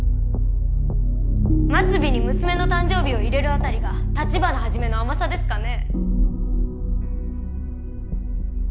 末尾に娘の誕生日を入れるあたりが立花始の甘さですかね。